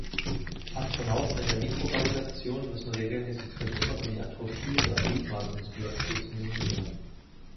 Astronauten in der Mikrogravitation müssen regelmäßig trainieren, um die Atrophie ihrer Gliedmaßenmuskulatur zu minimieren.